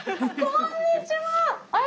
こんにちは！